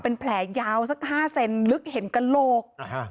เป็นแผลยาวสัก๕เซนลึกเห็นกระโหลก